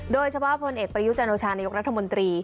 โดยเฉพาะพลเอกประยุจันโอชานายกรัฐมนตรี